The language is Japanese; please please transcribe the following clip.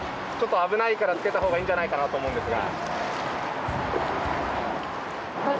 危ないから着けたほうがいいんじゃないかなと思うんですが。